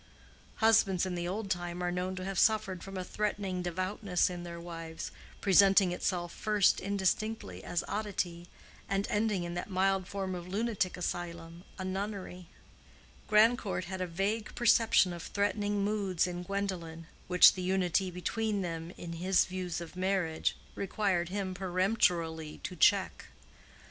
Husbands in the old time are known to have suffered from a threatening devoutness in their wives, presenting itself first indistinctly as oddity, and ending in that mild form of lunatic asylum, a nunnery: Grandcourt had a vague perception of threatening moods in Gwendolen which the unity between them in his views of marriage required him peremptorily to check.